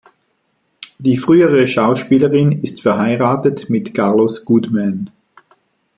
Die frühere Schauspielerin ist verheiratet mit Carlos Goodman.